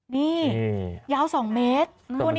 นี่ยาว๒เมตร